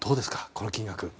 この金額。